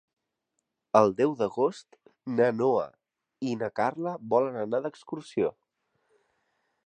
El deu d'agost na Noa i na Carla volen anar d'excursió.